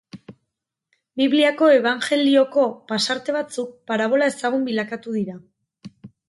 Bibliako, Ebanjelioko pasarte batzuk parabola ezagun bilakatu dira.